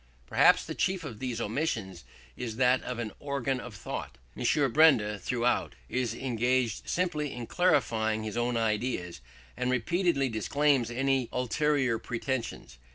Perhaps the chief of these omissions is that of an organ for thought. M. Benda throughout is engaged simply in clarifying his own ideas, and repeatedly disclaims any ulterior pretensions.